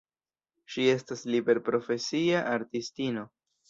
Ŝi estas liberprofesia artistino.